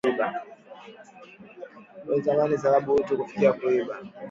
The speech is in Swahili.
Usi tamani sababu uta fikia kuiba